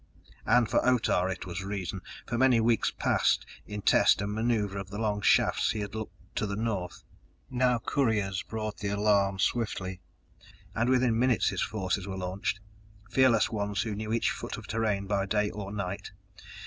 And for Otah it was reason! For many weeks past, in test and maneuver of the long shafts he had looked to the north. Now couriers brought the alarm swiftly, and within minutes his forces were launched fearless ones who knew each foot of terrain by day or night.